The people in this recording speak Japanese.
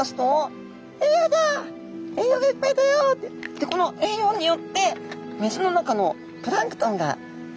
でこの栄養によって水の中のプランクトンがいっぱい。